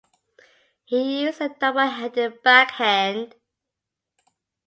He used a double-handed backhand.